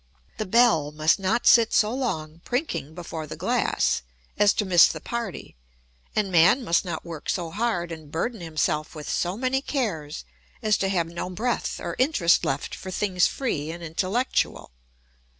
The belle must not sit so long prinking before the glass as to miss the party, and man must not work so hard and burden himself with so many cares as to have no breath or interest left for things free and intellectual.